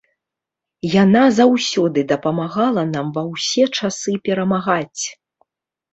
Яна заўсёды дапамагала нам ва ўсе часы перамагаць!